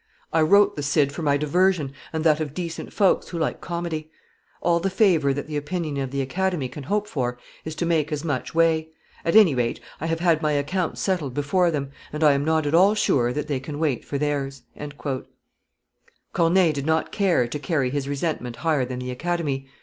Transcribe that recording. I wrote the Cid for my diversion and that of decent folks who like Comedy. All the favor that the opinion of the Academy can hope for is to make as much way; at any rate, I have had my account settled before them, and I am not at all sure that they can wait for theirs." Corneille did not care to carry his resentment higher than the Academy.